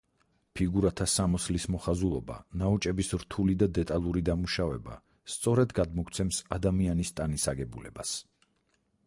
ფიგურათა სამოსლის მოხაზულობა ნაოჭების რთული და დეტალური დამუშავება სწორად გადმოგვცემს ადამიანის ტანის აგებულებას.